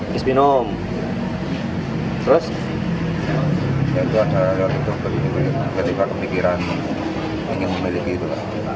ketika kepikiran hanya memiliki itu